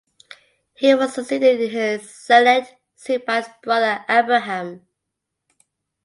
He was succeeded in his Senate seat by his brother Abraham.